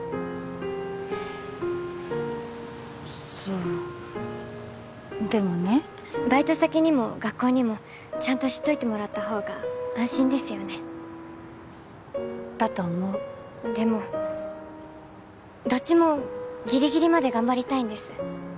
そうでもねバイト先にも学校にもちゃんと知っといてもらったほうが安心ですよねだと思うでもどっちもギリギリまで頑張りたいんです